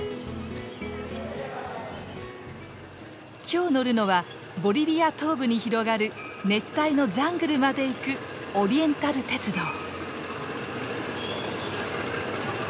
今日乗るのはボリビア東部に広がる熱帯のジャングルまで行くオリエンタル鉄道。